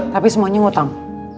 tapi semuanya ngutang